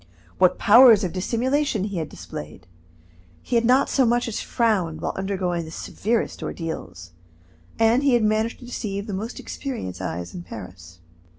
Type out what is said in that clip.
What powers of dissimulation he had displayed! He had not so much as frowned while undergoing the severest ordeals, and he had managed to deceive the most experienced eyes in Paris.